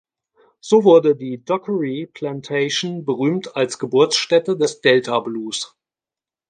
So wurde die Dockery Plantation berühmt als „Geburtsstätte des Delta Blues“.